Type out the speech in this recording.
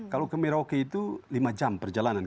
kalau ke merauke itu lima jam perjalanan